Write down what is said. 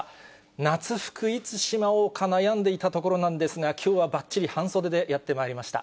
夏服いつしまおうか悩んでいたところなんですが、きょうはばっちり半袖でやってまいりました。